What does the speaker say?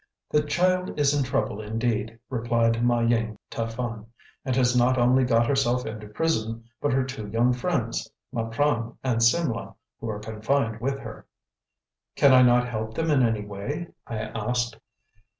"The child is in trouble, indeed," replied Ma Ying Taphan; "and has not only got herself into prison, but her two young friends, Maprang and Simlah, who are confined with her." "Can I not help them in any way?" I asked.